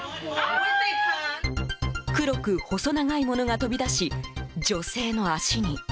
黒く細長いものが飛び出し女性の足に。